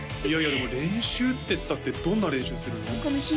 いやいやでも練習っていったってどんな練習するの？